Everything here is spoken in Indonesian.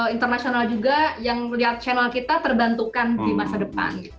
internasional juga yang melihat channel kita terbantukan di masa depan